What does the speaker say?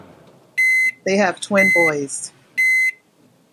They have twin boys.